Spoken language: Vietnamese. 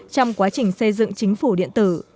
trong quá trình xây dựng chính phủ điện tử